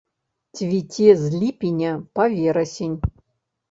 Цвіце з ліпеня па верасень.